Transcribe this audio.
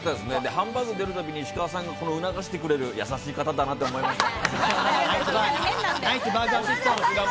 ハンバーグ出るときに石川さんが促してくれる、やさしい方だなと思いました。